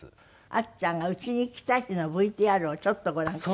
あっちゃんがうちに来た日のＶＴＲをちょっとご覧ください。